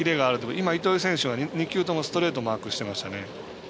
今、糸井選手は２球ともストレートをマークしてましたね。